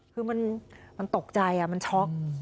คือมันตกใจมันช็อก